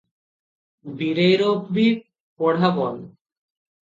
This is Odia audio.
ବୀରେଇର ବି ପଢ଼ା ବନ୍ଦ ।